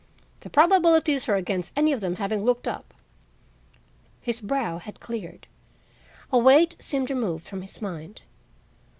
The probabilities are against any of them having looked up." His brow had cleared; a weight seemed removed from his mind.